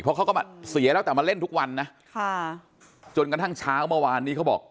เพราะเขาก็มาเสียแล้วแต่มาเล่นทุกวันนะค่ะจนกระทั่งเช้าเมื่อวานนี้เขาบอก